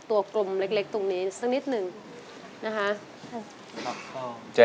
ตัวกลมเล็กตรงนี้สักนิดนึงนะฮะ